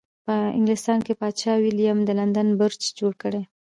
په انګلستان کې پادشاه ویلیم د لندن برج جوړ کړ.